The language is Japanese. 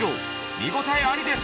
見応えありです！